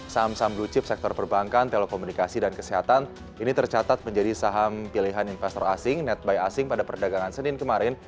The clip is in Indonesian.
saham saham blue chip sektor perbankan telekomunikasi dan kesehatan ini tercatat menjadi saham pilihan investor asing netbuy asing pada perdagangan senin kemarin